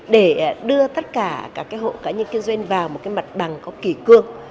để đưa tất cả các hộ cá nhân kinh doanh vào một cái mặt bằng có kỷ cương